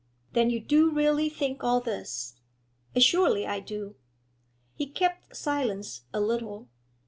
'Then you do really think all this?' 'Assuredly I do.' He kept silence a little.